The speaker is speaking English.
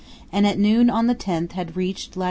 and at noon on the 10th had reached lat.